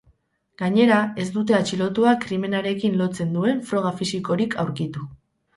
Gainera, ez dute atxilotua krimenarekin lotzen duen froga fisikorik aurkitu.